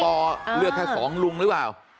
สวเลือกแค่๒ลุงหรือเปล่า